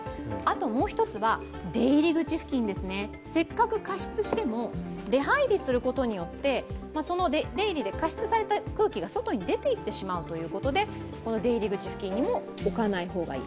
もう一つは、出入り口付近せっかく加湿しても出入りすることによって、加湿された空気が外に出ていってしまうということで出入り口付近にも置かない方がいい。